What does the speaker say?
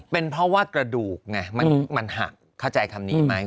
เป็นเพราะว่ากระดูกไงมันหักเข้าใจคำนี้ไหม